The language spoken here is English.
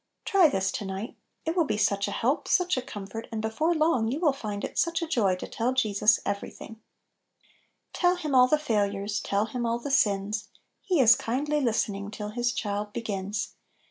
Try this to night 1 It will be such a help, such a comfort, and before long you will find it such a joy to tell Jesus every thing I "Tell Him all the failures, Tell Him all the sins; He is kindly listening Till His child begins.